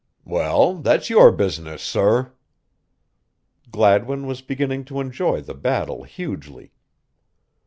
"Well, that's your business, sorr." Gladwin was beginning to enjoy the battle hugely.